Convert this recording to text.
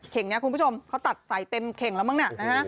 เข่งนี้คุณผู้ชมเขาตัดใส่เต็มเข่งแล้วมั้งนะ